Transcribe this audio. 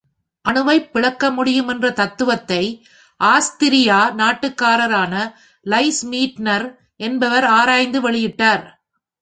அணுவைப் பிளக்க முடியும் என்ற தத்துவத்தை, ஆஸ்திரியா நாட்டுக்காரரான லைஸ் மீட்னர் என்பவர் ஆராய்ந்து வெளியிட்டார்.